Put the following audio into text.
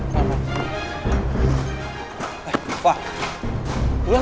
pulang untuk di rijal